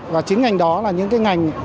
và chín ngành đó là những cái ngành